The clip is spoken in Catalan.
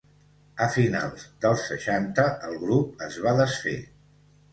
A finals dels seixanta el grup es va desfer.